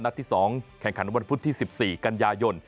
ที่๒แข่งขันวันพุธที่๑๔กันยายน